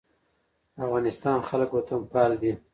د افغانستان خلک وطنپال دي